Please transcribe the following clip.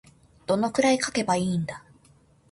どれくらい書けばいいんだ。